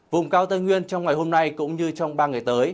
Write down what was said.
vùng cao tây nguyên trong ngày hôm nay cũng như trong ba ngày tới